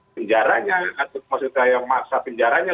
penjaranya atau maksud saya masa penjaranya